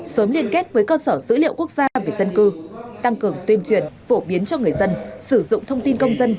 sớm liên kết với cơ sở dữ liệu quốc gia về dân cư tăng cường tuyên truyền phổ biến cho người dân sử dụng thông tin công dân